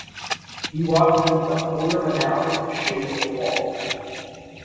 He walked him for a quarter of an hour in the shade of a wall.